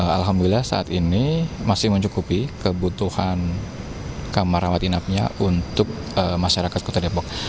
alhamdulillah saat ini masih mencukupi kebutuhan kamar rawat inapnya untuk masyarakat kota depok